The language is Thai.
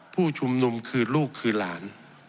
ผู้ชุมนุมคือลูกคือหลาน